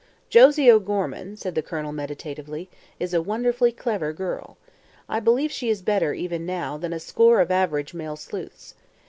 "Josie O'Gorman," said the Colonel, meditatively, "is a wonderfully clever girl. I believe she is better, even now, than a score of average male sleuths.